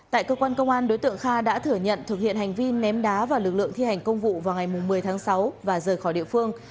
tại cơ quan công an đối tượng kha đã thử nhận thực hiện hành vi ném đá vào lực lượng thi hành công vụ vào ngày một mươi tháng sáu và rời khỏi địa phương